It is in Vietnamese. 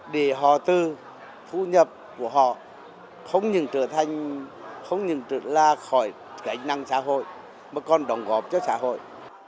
để họ tư thu nhập của họ không những là khỏi kỹ năng xã hội mà còn đồng góp cho xã hội